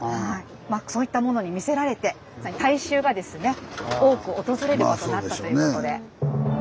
そういったものに魅せられて大衆がですね多く訪れるようになったということで。